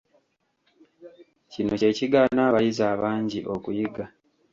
Kino kye kigaana abayizi abangi okuyiga.